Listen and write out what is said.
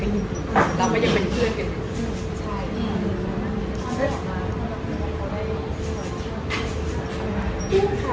จริงเอาไปพรุกซามากหรอ